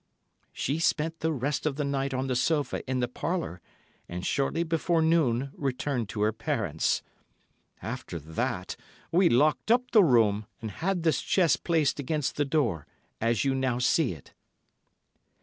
"She spent the rest of the night on the sofa in the parlour, and shortly before noon returned to her parents. "After that we locked up the room and had this chest placed against the door, as you now see it."